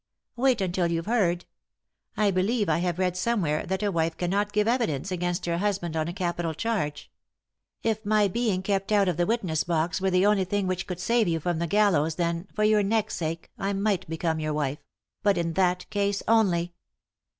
"Wait, until you've heard. I believe I have read somewhere that a wife cannot give evidence against her husband on a capital charge. It my being kept out of the witness box were the only thing which could save you from the gallows, then, for your neck's sake, I might become your wife ; but in that case only."